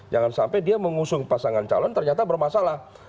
jangan sampai dia mengusung pasangan calon ternyata bermasalah